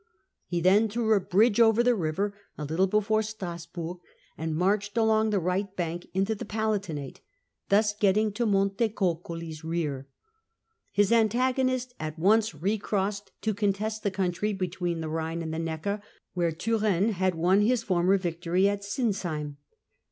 He then threw a bridge over the river a little Turenne's below Strassburg and marched along the right successes, bank into the Palatinate, thus getting to Montecuculi's rear. His antagonist at once recrossed to contest the country between the Rhine and the Necker, where Turenne had won his former victory at Sinsheim.